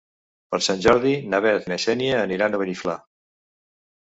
Per Sant Jordi na Bet i na Xènia aniran a Beniflà.